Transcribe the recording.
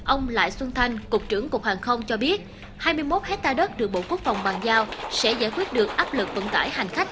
ông lại xuân thanh cục trưởng cục hàng không cho biết hai mươi một hectare đất được bộ quốc phòng bàn giao sẽ giải quyết được áp lực vận tải hành khách